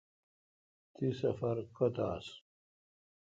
تی سفر کوتھ آس۔